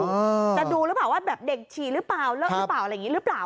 จะดูหรือเปล่าว่าแบบเด็กฉี่หรือเปล่าเลอะหรือเปล่าอะไรอย่างนี้หรือเปล่า